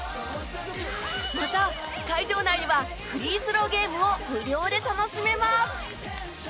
また、会場内ではフリースローゲームを無料で楽しめます。